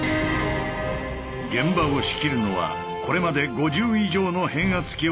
現場を仕切るのはこれまで５０以上の変圧器を解体してきた